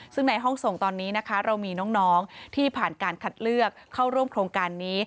ซึ่งในห้องส่งตอนนี้นะคะเรามีน้องที่ผ่านการคัดเลือกเข้าร่วมโครงการนี้